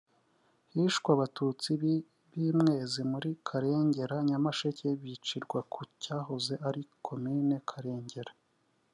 Hishwe Abatutsi b’i Mwezi muri Karengera (Nyamasheke) bicirwa ku cyahoze ari Komine Karengera